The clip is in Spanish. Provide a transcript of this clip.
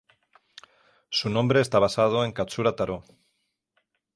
Su nombre está basado en Katsura Tarō.